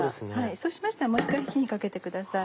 そうしましたらもう一回火にかけてください。